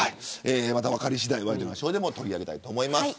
また分かり次第ワイドナショーでも取り上げたいと思います。